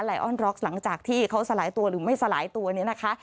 ออนร็อกหลังจากที่เขาสลายตัวหรือไม่สลายตัวเนี่ยนะคะ